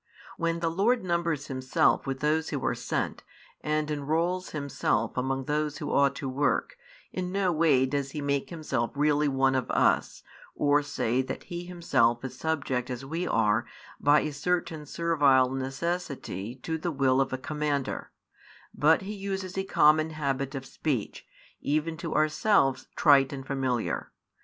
When the Lord numbers Himself with those who are sent, and enrols Himself among those who ought to work, in no way does He make Himself really one of us, or say that He Himself is subject as we are by a certain servile necessity to the will of a commander: but He uses a common habit of speech, even to ourselves trite and familiar.